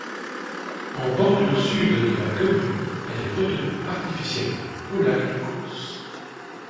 En bordure sud de la commune, elle est retenue artificiellement au lac du Causse.